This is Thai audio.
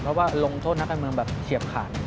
เพราะว่าลงโทษนักการเมืองแบบเฉียบขาด